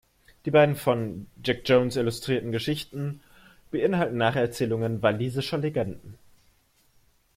Die beiden von Jac Jones illustrierten Geschichten beinhalten Nacherzählungen walisischer Legenden.